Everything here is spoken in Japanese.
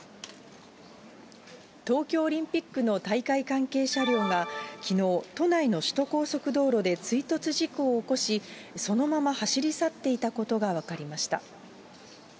東京オリンピックの大会関係車両が、きのう、都内の首都高速道路で追突事故を起こし、そのまま走り去っていたことが分かりました。